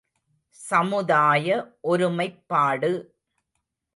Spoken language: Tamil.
சமுதாய ஒருமைப்பாடு ….